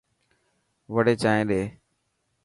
وڙي چائن ڏي.